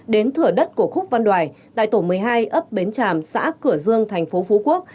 đến thửa đất của khúc văn đoài tại tổ một mươi hai ấp bến tràm xã cửa dương tp hcm